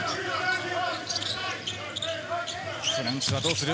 フランスはどうする？